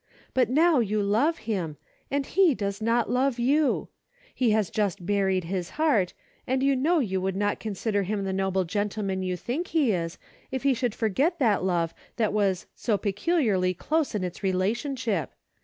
But now you love him and he does not love you ! He has just buried his heart, and you know you would not consider him the noble gentleman you think he is, if he should forget that love that was ' so peculiarly close in its relationship.